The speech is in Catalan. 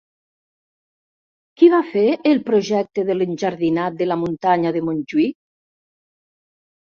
Qui va fer el projecte de l'enjardinat de la muntanya de Montjuïc?